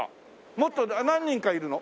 もっと何人かいるの？